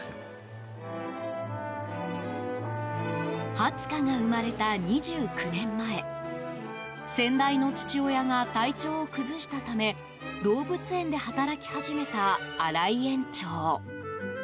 ハツカが生まれた２９年前先代の父親が体調を崩したため動物園で働き始めた荒井園長。